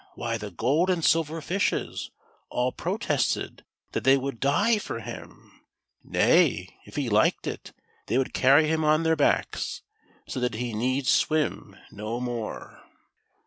why the gold and silver fishes all pro tested that they would die for him, nay, if he liked it, they would carry him on their backs, so that he need swim no more.